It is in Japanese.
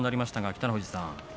北の富士さん